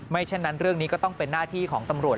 ฉะนั้นเรื่องนี้ก็ต้องเป็นหน้าที่ของตำรวจ